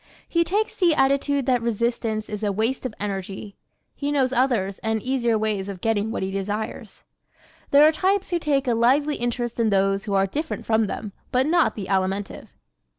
He takes the attitude that resistance is a waste of energy. He knows other and easier ways of getting what he desires. There are types who take a lively interest in those who are different from them, but not the Alimentive.